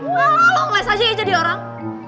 wah lo ngeles aja ya jadi orang